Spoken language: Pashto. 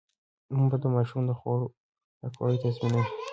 مور د ماشوم د خوړو پاکوالی تضمينوي.